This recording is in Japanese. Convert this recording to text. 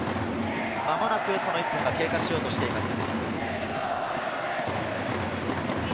間もなく１分が経過しようとしています。